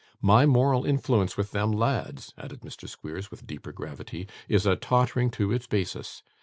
My moral influence with them lads,' added Mr. Squeers, with deeper gravity, 'is a tottering to its basis.